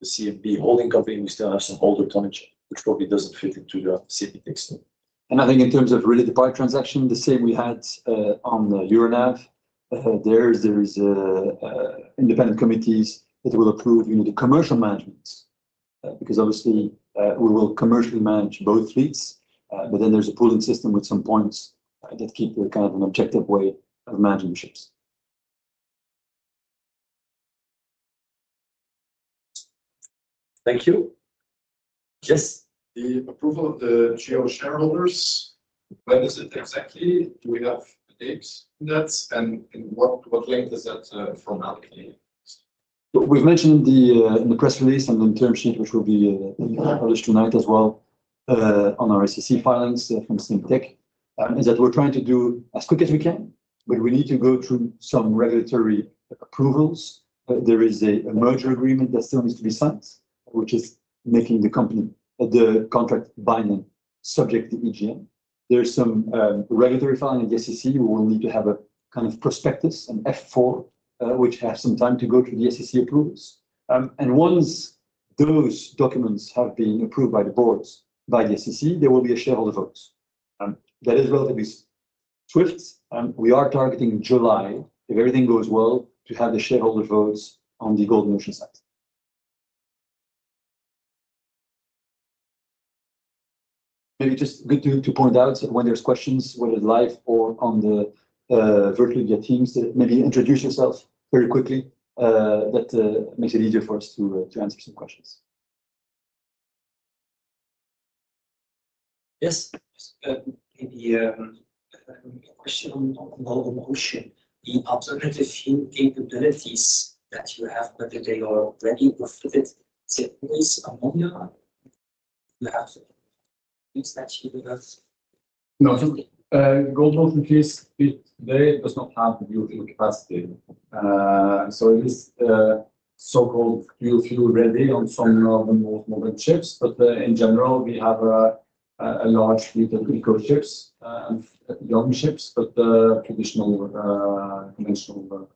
The CMB holding company, we still have some older tonnage, which probably doesn't fit into the CMB.TECH deal. I think in terms of really the buy transaction, the same we had on the Euronav. There's independent committees that will approve the commercial management because obviously, we will commercially manage both fleets. There is a pooling system with some points that keep kind of an objective way of managing the ships. Thank you. Yes. The approval of the Golden Ocean shareholders, when is it exactly? Do we have dates in that? And what length is that from now? We've mentioned in the press release and in the term sheet, which will be published tonight as well on our SEC filings from CMB.TECH, is that we're trying to do as quick as we can, but we need to go through some regulatory approvals. There is a merger agreement that still needs to be signed, which is making the contract binding, subject to EGM. There is some regulatory filing at the SEC. We will need to have a kind of prospectus, an F-4, which has some time to go through the SEC approvals. Once those documents have been approved by the boards, by the SEC, there will be a shareholder vote. That is relatively swift. We are targeting July, if everything goes well, to have the shareholder votes on the Golden Ocean side. Maybe just good to point out when there are questions, whether live or on the virtual via Teams, maybe introduce yourself very quickly. That makes it easier for us to answer some questions. Yes. Maybe a question on Golden Ocean. The alternative fuel capabilities that you have, whether they are ready or fitted, is it always ammonia? You have to use that fuel? No. Golden Ocean fleet today does not have fuel fuel capacity. It is so-called fuel fuel ready on some of the most modern ships. In general, we have a large fleet of Eco ships and young ships, but traditional conventional.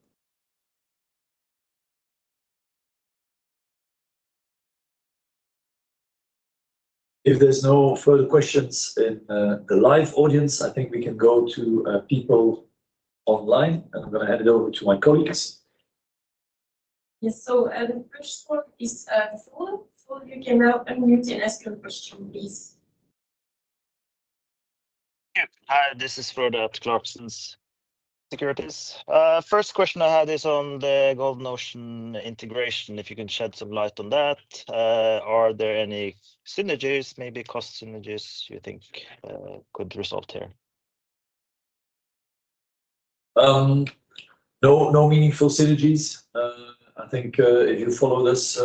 If there are no further questions in the live audience, I think we can go to people online. I am going to hand it over to my colleagues. Yes. The first one is Frode. Frode, you can now unmute and ask your question, please. Hi. This is Frode at Clarksons Securities. First question I had is on the Golden Ocean integration. If you can shed some light on that, are there any synergies, maybe cost synergies, you think could result here? No meaningful synergies. I think if you follow this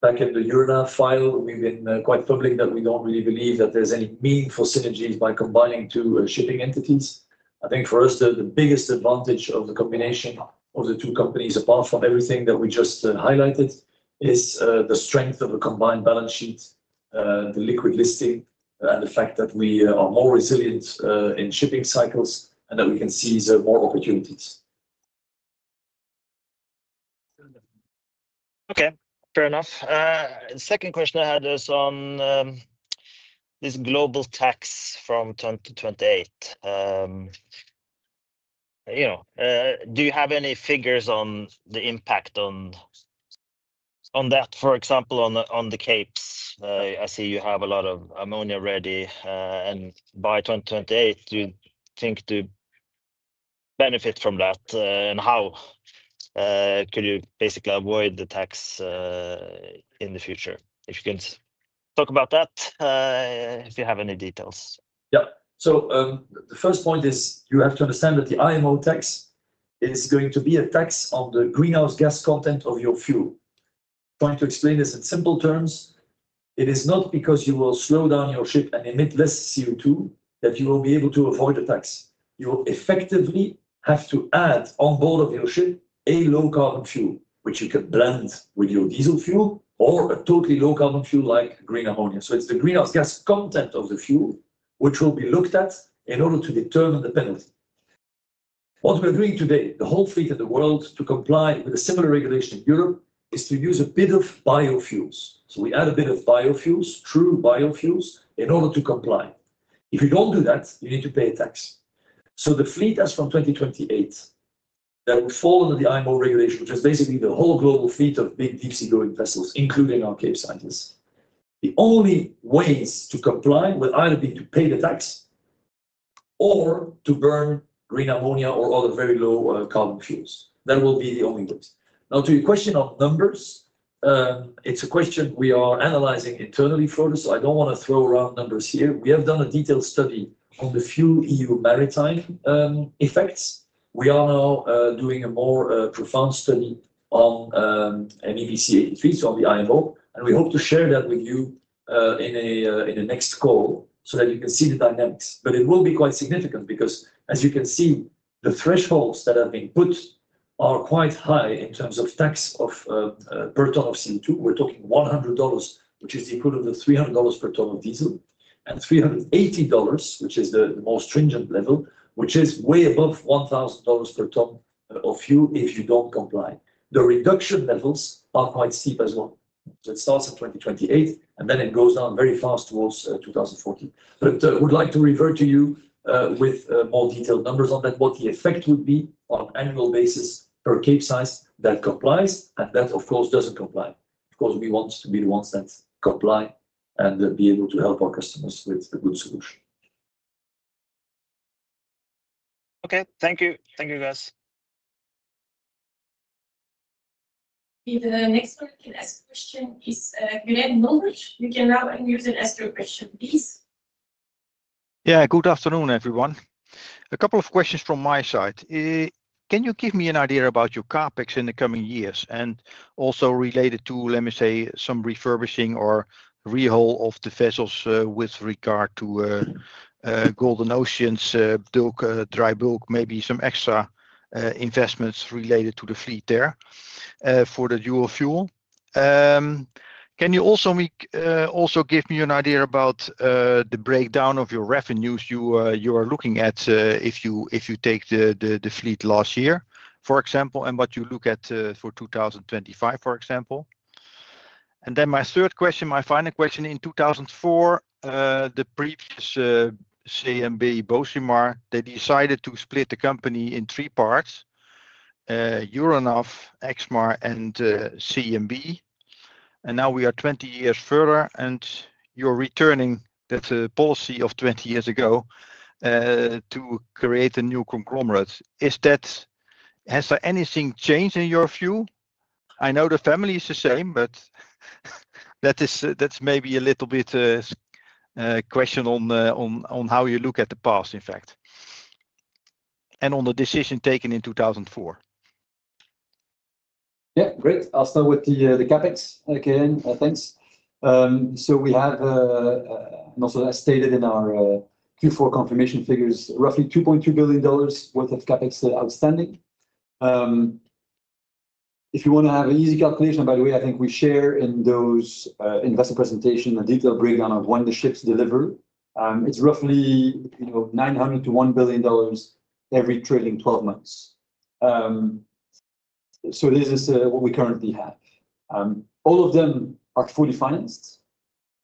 back in the Euronav file, we have been quite public that we do not really believe that there are any meaningful synergies by combining two shipping entities. I think for us, the biggest advantage of the combination of the two companies, apart from everything that we just highlighted, is the strength of the combined balance sheet, the liquid listing, and the fact that we are more resilient in shipping cycles and that we can see more opportunities. Okay. Fair enough. The second question I had is on this global tax from 2028. Do you have any figures on the impact on that? For example, on the Capes, I see you have a lot of ammonia ready. And by 2028, do you think to benefit from that? And how could you basically avoid the tax in the future? If you can talk about that, if you have any details. Yeah. The first point is you have to understand that the IMO tax is going to be a tax on the greenhouse gas content of your fuel. Trying to explain this in simple terms, it is not because you will slow down your ship and emit less CO2 that you will be able to avoid the tax. You will effectively have to add on board of your ship a low-carbon fuel, which you can blend with your diesel fuel or a totally low-carbon fuel like green ammonia. It is the greenhouse gas content of the fuel which will be looked at in order to determine the penalty. What we are doing today, the whole fleet in the world to comply with a similar regulation in Europe is to use a bit of biofuels. We add a bit of biofuels, true biofuels, in order to comply. If you do not do that, you need to pay a tax. The fleet as from 2028 that will fall under the IMO regulation, which is basically the whole global fleet of big deep-sea vessels, including our Cape Sizes. The only ways to comply will either be to pay the tax or to burn green ammonia or other very low-carbon fuels. That will be the only ways. Now, to your question on numbers, it's a question we are analyzing internally, Frode. I don't want to throw around numbers here. We have done a detailed study on the fuel EU maritime effects. We are now doing a more profound study on MEPC 83, so on the IMO. We hope to share that with you in a next call so that you can see the dynamics. It will be quite significant because, as you can see, the thresholds that have been put are quite high in terms of tax per ton of CO2. We're talking $100, which is the equivalent of $300 per ton of diesel, and $380, which is the most stringent level, which is way above $1,000 per ton of fuel if you do not comply. The reduction levels are quite steep as well. It starts in 2028, and then it goes down very fast towards 2040. I would like to revert to you with more detailed numbers on that, what the effect would be on an annual basis per Capesize that complies and that, of course, does not comply. Of course, we want to be the ones that comply and be able to help our customers with a good solution. Okay. Thank you. Thank you, guys. The next one can ask a question is, you have no question. You can now use it as your question, please. Yeah. Good afternoon, everyone. A couple of questions from my side. Can you give me an idea about your CapEx in the coming years? And also related to, let me say, some refurbishing or rehaul of the vessels with regard to Golden Ocean's dry bulk, maybe some extra investments related to the fleet there for the dual fuel. Can you also give me an idea about the breakdown of your revenues you are looking at if you take the fleet last year, for example, and what you look at for 2025, for example? My third question, my final question. In 2004, the previous CMB, Bocimar, they decided to split the company in three parts: Euronav, Exmar, and CMB. Now we are 20 years further, and you're returning that policy of 20 years ago to create a new conglomerate. Has anything changed in your view? I know the family is the same, but that's maybe a little bit question on how you look at the past, in fact, and on the decision taken in 2004. Yeah. Great. I'll start with the CapEx. Again, thanks. We have, and also as stated in our Q4 confirmation figures, roughly $2.2 billion worth of CapEx outstanding. If you want to have an easy calculation, by the way, I think we share in those investor presentation a detailed breakdown of when the ships deliver. It's roughly $900 million to $1 billion every trading 12 months. This is what we currently have. All of them are fully financed.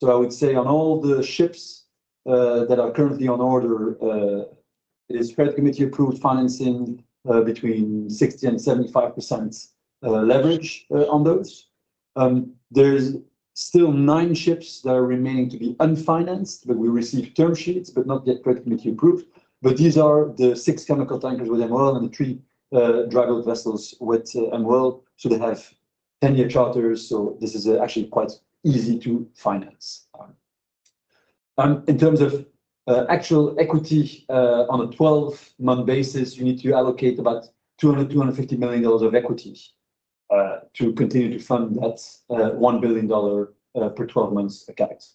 I would say on all the ships that are currently on order, it is credit committee-approved financing between 60-75% leverage on those. There's still nine ships that are remaining to be unfinanced, but we received term sheets, but not yet credit committee-approved. These are the six chemical tankers with MOL and the three dry bulk vessels with MOL. They have 10-year charters. This is actually quite easy to finance. In terms of actual equity on a 12-month basis, you need to allocate about $200-$250 million of equity to continue to fund that $1 billion per 12-month CapEx.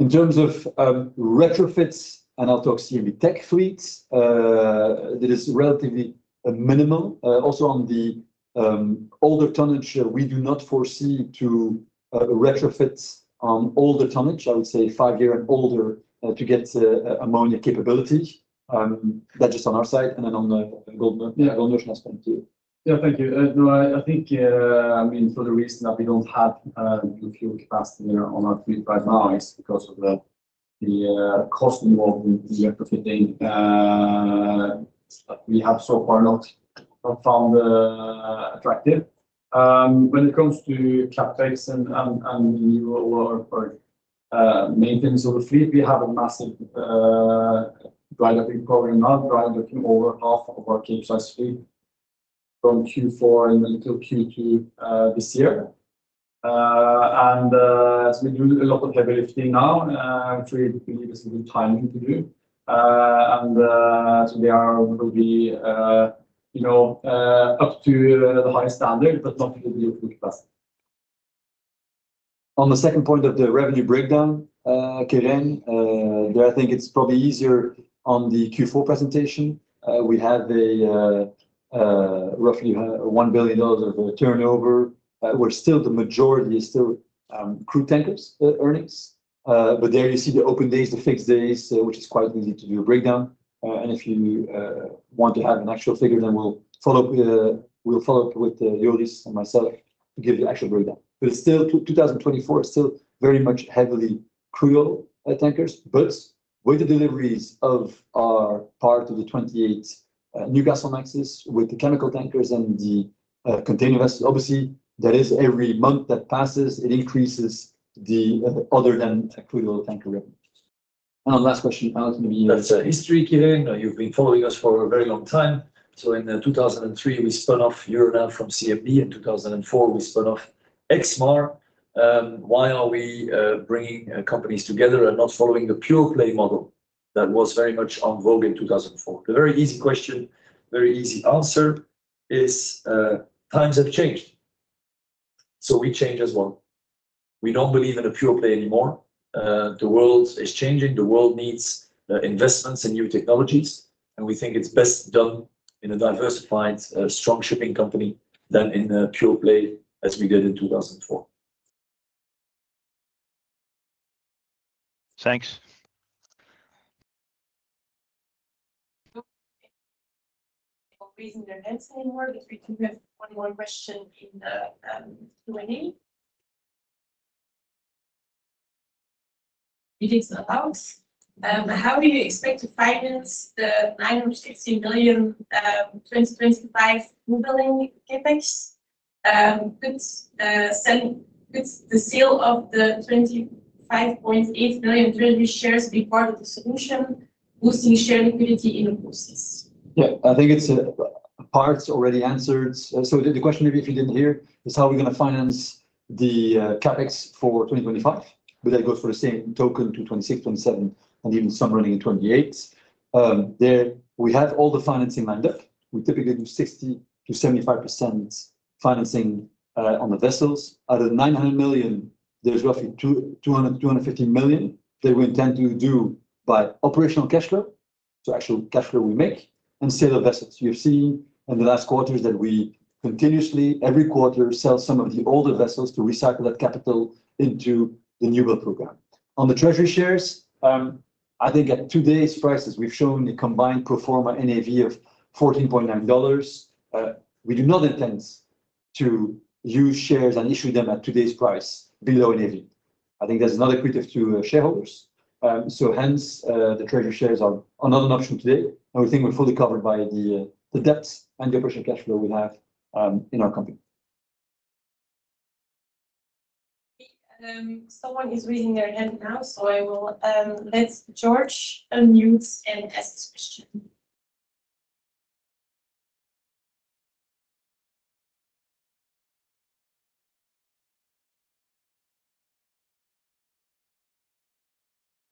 In terms of retrofits and outdoor CMB.TECH fleets, that is relatively minimal. Also on the older tonnage, we do not foresee to retrofit on older tonnage. I would say five years and older to get ammonia capability. That's just on our side. On the Golden Ocean aspect, too. Yeah. Thank you. No, I think, I mean, for the reason that we do not have fuel capacity on our fleet right now, it is because of the cost involved in the retrofitting that we have so far not found attractive. When it comes to CapEx and renewal or maintenance of the fleet, we have a massive dry-docking program now, dry-docking over half of our Capesize fleet from Q4 and a little Q2 this year. We do a lot of heavy lifting now, which we believe is good timing to do. They will be up to the highest standard, but not to the deal of the capacity. On the second point of the revenue breakdown, Quirijn, there I think it is probably easier on the Q4 presentation. We have roughly $1 billion of turnover. We're still the majority is still crude tankers earnings. There you see the open days, the fixed days, which is quite easy to do a breakdown. If you want to have an actual figure, then we'll follow up with Joris and myself to give the actual breakdown. Still, 2024 is still very much heavily crude tankers. With the deliveries of our part of the 28 Newcastlemaxes with the chemical tankers and the container vessels, obviously, that is every month that passes, it increases the other than a crude tanker revenue. Last question, Alex, maybe you know. That's history, Quirijn. You've been following us for a very long time. In 2003, we spun off Euronav from CMB. In 2004, we spun off Exmar. Why are we bringing companies together and not following the pure play model that was very much on vogue in 2004? The very easy question, very easy answer is times have changed. We change as well. We don't believe in a pure play anymore. The world is changing. The world needs investments in new technologies. We think it's best done in a diversified, strong shipping company than in a pure play as we did in 2004. Thanks. No reason to answer anymore. We do have one more question in the Q&A. It is about how do you expect to finance the $960 million 2025 new building CapEx? Could the sale of the $25.8 million treasury shares be part of the solution, boosting share liquidity in the process? Yeah. I think part's already answered. The question maybe if you didn't hear is how are we going to finance the CapEx for 2025? That goes for the same token to 2026, 2027, and even some running in 2028. There we have all the financing lined up. We typically do 60%-75% financing on the vessels. Out of the $900 million, there's roughly $200 million-$250 million that we intend to do by operational cash flow, so actual cash flow we make, and sale of vessels. You've seen in the last quarters that we continuously, every quarter, sell some of the older vessels to recycle that capital into the new build program. On the treasury shares, I think at today's prices, we've shown a combined proforma NAV of $14.9. We do not intend to use shares and issue them at today's price below NAV. I think that's not equitative to shareholders. The treasury shares are not an option today. We think we're fully covered by the debt and the operational cash flow we have in our company. Someone is raising their hand now, so I will let George unmute and ask this question.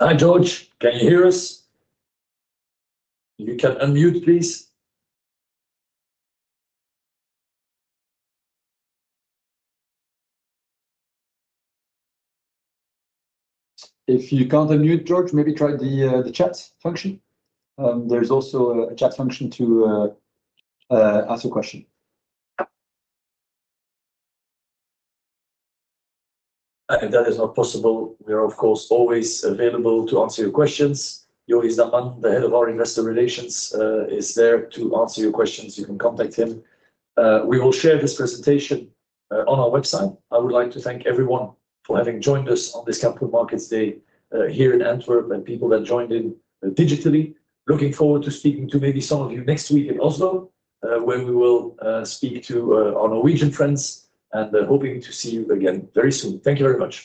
Hi, George. Can you hear us? You can unmute, please. If you can't unmute, George, maybe try the chat function. There is also a chat function to ask a question. That is not possible. We are, of course, always available to answer your questions. Joris Daman, the head of our investor relations, is there to answer your questions. You can contact him. We will share this presentation on our website. I would like to thank everyone for having joined us on this Capital Markets Day here in Antwerp and people that joined in digitally. Looking forward to speaking to maybe some of you next week in Oslo, where we will speak to our Norwegian friends and hoping to see you again very soon. Thank you very much.